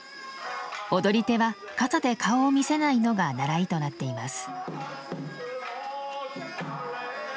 踊り手は笠で顔を見せないのが習いとなっています。